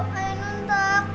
papa ibu ainun takut